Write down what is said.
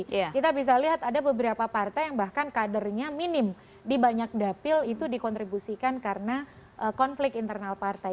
kita bisa lihat ada beberapa partai yang bahkan kadernya minim di banyak dapil itu dikontribusikan karena konflik internal partai